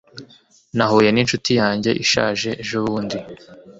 Nahuye ninshuti yanjye ishaje ejobundi.